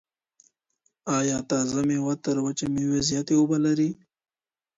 آیا تازه مېوه تر وچې مېوې زیاتې اوبه لري؟